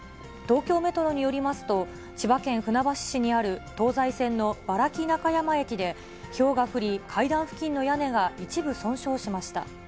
東京メトロによりますと、千葉県船橋市にある東西線の原木中山駅で、ひょうが降り、階段付近の屋根が一部損傷しました。